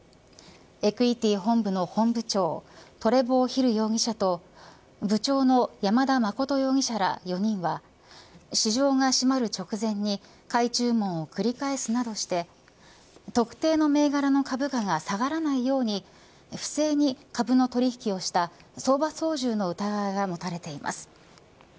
エクイティ本部の本部長トレボー・ヒル容疑者と部長の山田誠容疑者ら４人は市場が閉まる直前に買い注文を繰り返すなどして特定の銘柄の株価が下がらないように不正に株の取引をした相場操縦の疑いが持たれています。